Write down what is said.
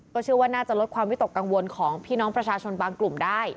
เชื่อว่าน่าจะลดความวิตกกังวลของพี่น้องประชาชนบางกลุ่มได้